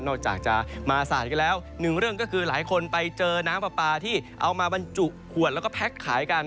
ออกจากจะมาสาดกันแล้วหนึ่งเรื่องก็คือหลายคนไปเจอน้ำปลาปลาที่เอามาบรรจุขวดแล้วก็แพ็คขายกัน